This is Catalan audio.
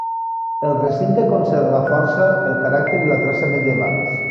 El recinte conserva força el caràcter i la traça medievals.